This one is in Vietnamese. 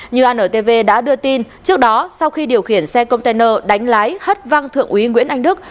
như antv đã đưa tin trước đó sau khi điều khiển xe container đánh lái hất văng thượng úy nguyễn anh đức